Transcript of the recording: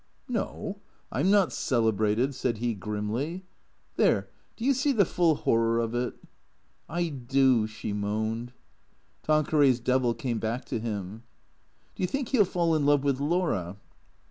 " No, I 'm not celebrated," said he grimly. " There, do you see the full horror of it ?"" I do," she moaned. Tanqueray's devil came back to him. " Do you think he '11 fall in love with Laura